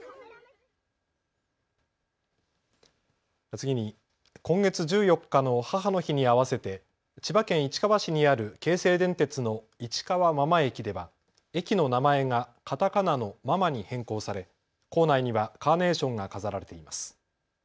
次に今月１４日の母の日に合わせて千葉県市川市にある京成電鉄の市川真間駅では駅の名前がカタカナのママに変更され構内にはカーネーションが飾られています。